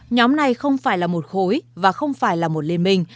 nhóm này không phải là một khối và không phải là một liên minh